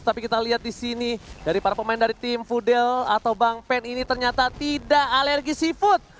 tapi kita lihat di sini dari para pemain dari tim fudel atau bang pen ini ternyata tidak alergi seafood